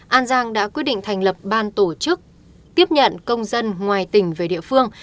an giang đã quyết định thành lập ban tổ chức tiếp nhận công dân ngoài tỉnh về địa phương